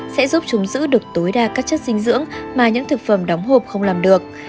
sẽ giúp chúng giữ được tối đa các chất dinh dưỡng mà những thực phẩm đóng hộp không làm được